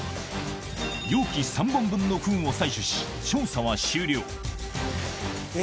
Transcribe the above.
容器３本分のふんを採取し、調査は終了。